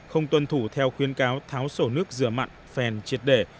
không tuân thủ theo khuyến cáo tháo sổ nước rửa mặn phèn triệt để